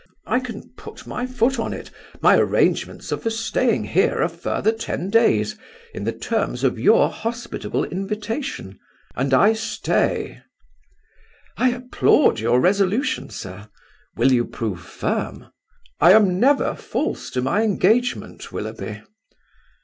I can put my foot on it. My arrangements are for staying here a further ten days, in the terms of your hospitable invitation. And I stay." "I applaud your resolution, sir. Will you prove firm?" "I am never false to my engagement, Willoughby."